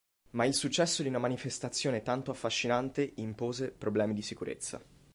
Ma il successo di una manifestazione tanto affascinante impose problemi di sicurezza.